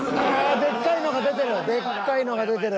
でっかいのが出てる。